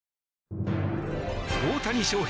大谷翔平